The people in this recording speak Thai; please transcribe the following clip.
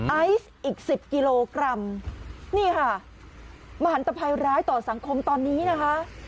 ไอซ์อีกสิบกิโลกรัมนี่ค่ะมหันตภัยร้ายต่อสังคมตอนนี้นะคะ